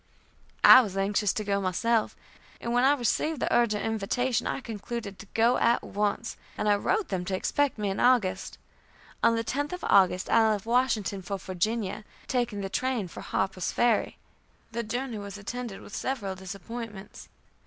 I was anxious to go myself, and when I received the urgent invitation I concluded to go at once, and I wrote them to expect me in August. On the 10th of August I left Washington for Virginia, taking the train for Harper's Ferry. The journey was attended with several disappointments.